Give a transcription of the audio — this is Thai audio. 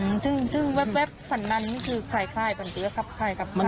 อืมซึ่งซึ่งแว๊บแว๊บฝันนั้นนี่คือคลายคลายฝันเตื้อกลับคลายกลับคลาย